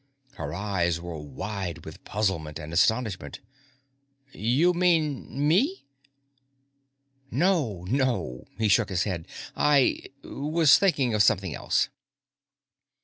Her eyes were wide with puzzlement and astonishment. "You mean me?" "No ... no." He shook his head. "I ... was thinking of something else."